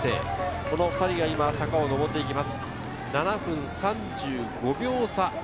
この２人が坂を上っていきます。